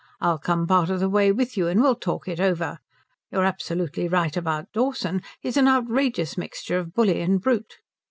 I'll come part of the way with you and we'll talk it over. You're absolutely right about Dawson. He's an outrageous mixture of bully and brute."